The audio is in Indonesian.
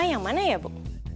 yang mana ya bu